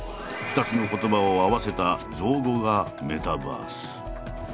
２つの言葉を合わせた造語が「メタバース」。